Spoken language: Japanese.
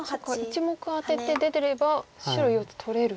１目アテて出れば白４つ取れる。